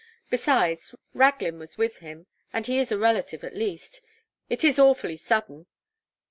Besides, Raglin was with him, and he is a relative, at least. It is awfully sudden.